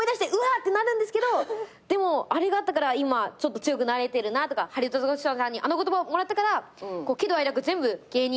ってなるんですけどでもあれがあったから今ちょっと強くなれてるなとかハリウッドザコシショウさんにあの言葉をもらったから喜怒哀楽全部芸人なんだな。